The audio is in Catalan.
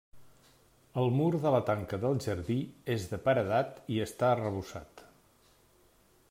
El mur de la tanca del jardí és de paredat i està arrebossat.